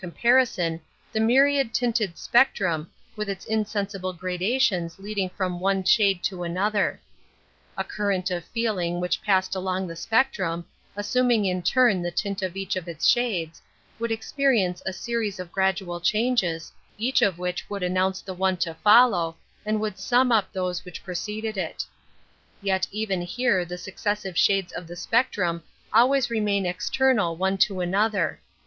J comparison the myriad tinted spectrum, / 1 with its insensible gradations leading from/ ' one shade to another. A current of feeling which passed along the spectrum, asnuming in turn the tint of each of its shades, would experience a aeries of gradual changes, each of which would announce the one to follow and would sum up those which preceded Yet even here the successive shades of le spectrum always remain external one another.